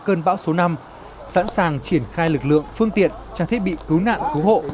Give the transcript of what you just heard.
cơn bão số năm sẵn sàng triển khai lực lượng phương tiện trang thiết bị cứu nạn cứu hộ